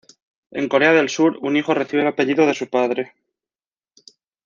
En Corea del Sur, un hijo recibe el apellido de su padre.